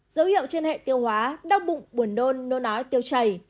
dấu hiệu trên hệ tiêu hóa đau bụng buồn nôn nôn nói tiêu chảy